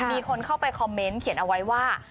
มีคนเข้าไปคอมเมนต์เขียนเอาไว้ว่า